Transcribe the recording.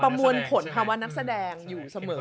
ประมวลผลภาวะนักแสดงอยู่เสมอ